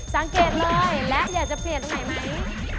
สังเกตเลยและอยากจะเปลี่ยนตรงไหนไหม